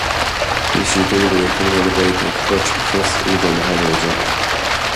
Bhí siad ullmhaithe ag Conradh na Gaeilge ag tabhairt le fios údar na hagóide.